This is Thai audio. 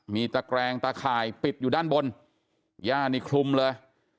มีตะแกรงตะข่ายปิดอยู่ด้านบนย่านี่คลุมเลย